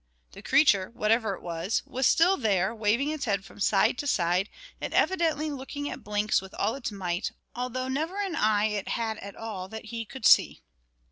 The creature, whatever it was, was still there, waving its head from side to side, and evidently looking at Blinks with all its might; although never an eye it had at all that he could see.